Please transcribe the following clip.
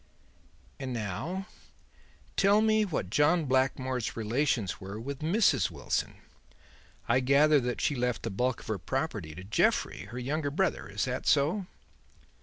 And now, tell me what John Blackmore's relations were with Mrs. Wilson. I gather that she left the bulk of her property to Jeffrey, her younger brother. Is that so?"